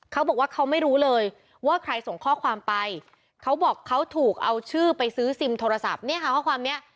เขาบอกว่าเขาไม่รู้เลยว่าใครส่งข้อความไปเขาบอกเขาถูกเอาชื่อไปซื้อซิมโทรศัพท์เนี่ยค่ะข้อความเนี้ย